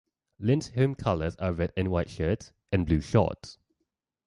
Lyn's home colours are red and white shirts and blue shorts.